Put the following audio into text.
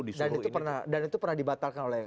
disuruh ini dan itu pernah dibatalkan oleh